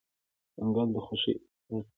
ځنګل د خوښۍ احساس ورکوي.